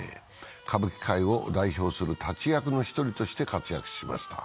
歌舞伎界を代表する立役の１人として活躍しました。